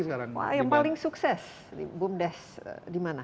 sekarang yang paling sukses di bukalapak